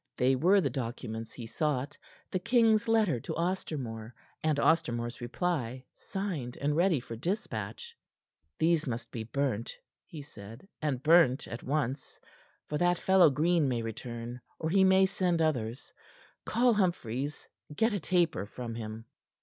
They were the documents he sought the king's letter to Ostermore, and Ostermore's reply, signed and ready for dispatch. "These must be burnt," he said, "and burnt at once, for that fellow Green may return, or he may send others. Call Humphries. Get a taper from him."